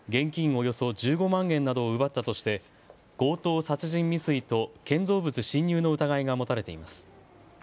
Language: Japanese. およそ１５万円などを奪ったとして強盗殺人未遂と建造物侵入の疑いが持たれています。